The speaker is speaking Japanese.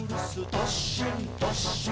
どっしんどっしん」